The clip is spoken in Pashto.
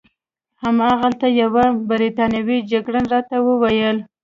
هماغلته یوه بریتانوي جګړن راته وویل.